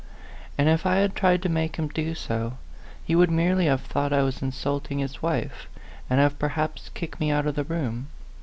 And if I had tried to make him do so, he would merely have thought I was insulting his wife, and have perhaps kicked me out of the room.